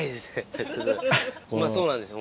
まぁそうなんですよ